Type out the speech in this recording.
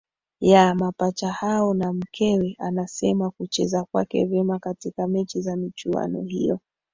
ya mapacha hao na mkewe anasema kucheza kwake vema katika mechi za michuano hiyo